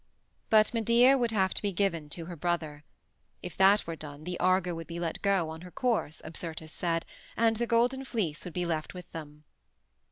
But Medea would have to be given to her brother. If that were done the Argo would be let go on her course, Apsyrtus said, and the Golden Fleece would be left with them.